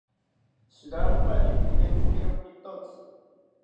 Shiranpari iwetzikiro pitotzi